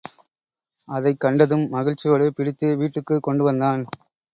அதைக் கண்டதும் மகிழ்ச்சியோடு பிடித்து வீட்டுக்குக் கொண்டுவந்தான்.